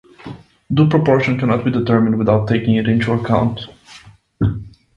Due proportion cannot be determined without taking it into account.